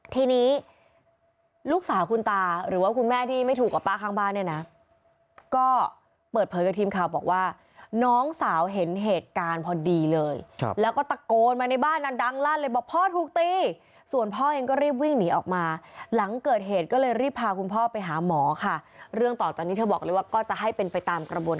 ทีนี้ลูกสาวคุณตาหรือว่าคุณแม่ที่ไม่ถูกกับป้าข้างบ้านเนี่ยนะก็เปิดเผยกับทีมข่าวบอกว่าน้องสาวเห็นเหตุการณ์พอดีเลยแล้วก็ตะโกนมาในบ้านนั้นดังลั่นเลยบอกพ่อถูกตีส่วนพ่อเองก็รีบวิ่งหนีออกมาหลังเกิดเหตุก็เลยรีบพาคุณพ่อไปหาหมอค่ะเรื่องต่อตอนนี้เธอบอกเลยว่าก็จะให้เป็นไปตามกระบวน